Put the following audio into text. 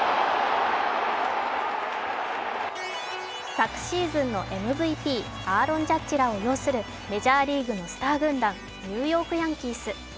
昨シーズンのＭＶＰ、アーロン・ジャッジらを擁するメジャーリーグのスター軍団ニューヨーク・ヤンキース。